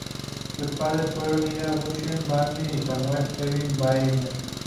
Sus padres fueron Ida Bushnell Barney y Samuel Eben Barney.